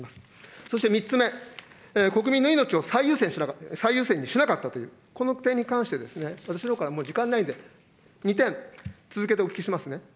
そして３つ目、国民の命を最優先にしなかったという、この点に関して、私のほうから、もう時間ないんで２点、続けてお聞きしますね。